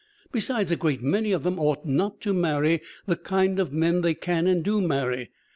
Besides a great many of them ought not to marry the kind of men they can and do marry.